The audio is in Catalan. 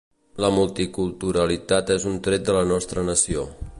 La multiculturalitat és un tret de la nostra nació.